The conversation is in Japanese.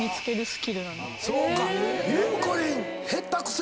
そうか。